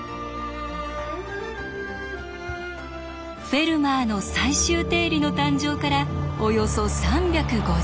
「フェルマーの最終定理」の誕生からおよそ３５０年。